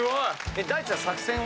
大ちゃん作戦は？